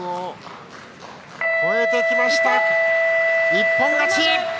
一本勝ち！